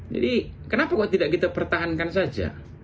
kenapa kok tidak kita pertahankan saja